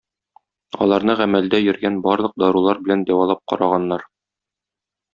Аларны гамәлдә йөргән барлык дарулар белән дәвалап караганнар.